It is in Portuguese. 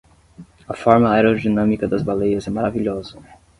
A forma aerodinâmica das baleias é maravilhosa.